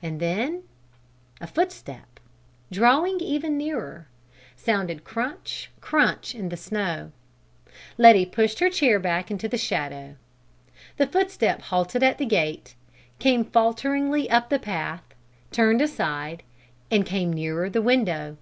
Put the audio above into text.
And then a footstep, drawing ever nearer, sounded crunch, crunch, in the snow. Letty pushed her chair back into the shadow. The footstep halted at the gate, came falteringly up the path, turned aside, and came nearer the window.